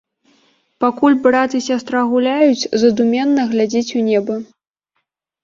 Пакуль брат і сястра гуляюць, задуменна глядзіць у неба.